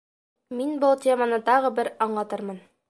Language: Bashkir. Мин был теманы тағы бер аңлатырмын.